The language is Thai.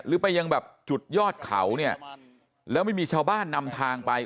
หรือไปยังแบบจุดยอดเขาเนี่ยแล้วไม่มีชาวบ้านนำทางไป